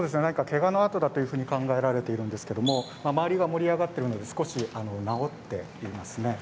けがの痕だというふうに考えられていますが周りが盛り上がっているので少し治っていますね。